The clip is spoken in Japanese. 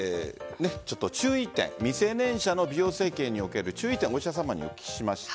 未成年者の美容整形における注意点をお医者さまに聞きました。